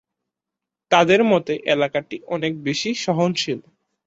তাদের মতে এলাকাটি অনেক বেশি সহনশীল।